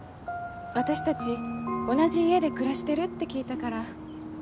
私たち同じ家で暮らしてるって聞いたから。